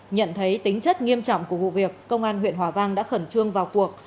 nhận thấy tính chất nghiêm trọng của vụ việc công an huyện hòa vang đã khẩn trương vào cuộc